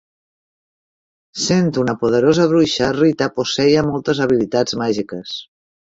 Sent una poderosa bruixa, Rita posseïa moltes habilitats màgiques.